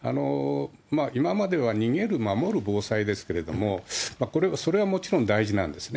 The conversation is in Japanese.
今までは逃げる、守る防災ですけれども、それはもちろん大事なんですね。